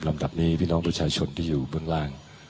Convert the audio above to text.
ลำดับนี้พี่น้องผู้ชายชนที่อยู่บริเวณล่าง